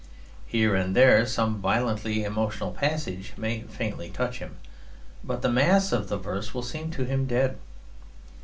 Here and there some violently emotional passage may faintly touch him, but the mass of the verse will seem to him dead.